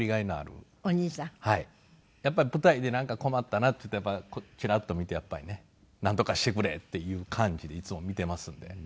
やっぱり舞台でなんか困ったなっていうとチラッと見てやっぱりねなんとかしてくれっていう感じでいつも見ていますので。